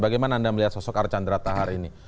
bagaimana anda melihat sosok archandra tahar ini